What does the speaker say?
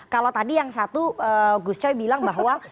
kalau tadi yang satu gus coy bilang bahwa